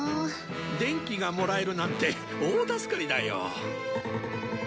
電気がもらえるなんて大助かりだよ。